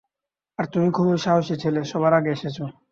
আর তুমি খুবই সাহসী ছেলে, সবার আগে এসেছো।